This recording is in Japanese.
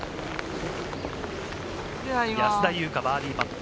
安田祐香、バーディーパット。